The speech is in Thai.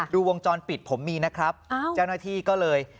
วงจรปิดผมมีนะครับเจ้าหน้าที่ก็เลย